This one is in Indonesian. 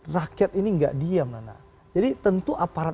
rakyat ini nggak diam nana